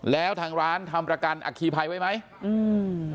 แล้วทางร้านทำประกันอัคคีภัยไว้ไหมอืม